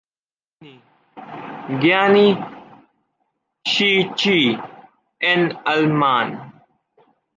Puccini: "Gianni Schicchi" en alemán.